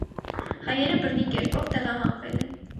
Հայերը բռնի կերպով տեղահանվել են։